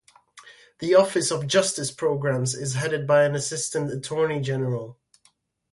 The Office of Justice Programs is headed by an Assistant Attorney General.